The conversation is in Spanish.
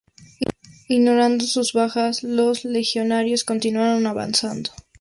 Ignorando sus bajas, los legionarios continuaron avanzando.